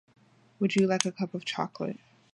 Would you like a cup of chocolate?